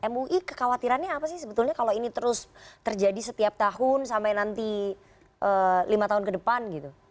mui kekhawatirannya apa sih sebetulnya kalau ini terus terjadi setiap tahun sampai nanti lima tahun ke depan gitu